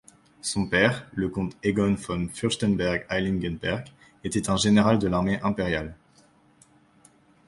Son père, le comte Egon von Fürstenberg-Heilingenberg était un général de l'armée impériale.